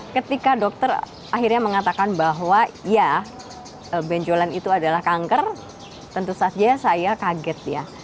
ketika dokter akhirnya mengatakan bahwa ya benjolan itu adalah kanker tentu saja saya kaget ya